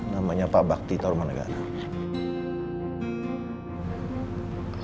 namanya pak bakti taruman negara